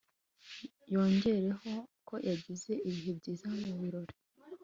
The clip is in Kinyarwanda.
yongeyeho ko yagize ibihe byiza mu birori